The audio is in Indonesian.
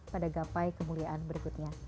pada gapai kemuliaan berikutnya